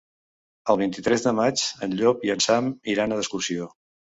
El vint-i-tres de maig en Llop i en Sam iran d'excursió.